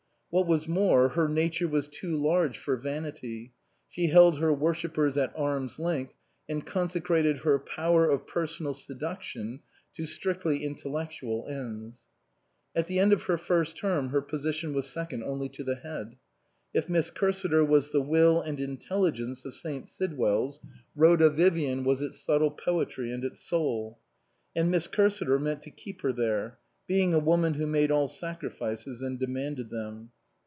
What was more, her nature was too large for vanity ; she held her worshippers at arm's length and consecrated her power of personal seduction to strictly in tellectual ends. At the end of her first term her position was second only to the Head. If Miss Cursiter was the will and intelligence of St. Sidwell's, Rhoda Vivian was its subtle poetry and its soul. And Miss Cursiter meant to keep her there ; being a woman who made all sacri fices and demanded them.